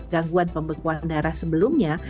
gangguan pembekuan darah sebelumnya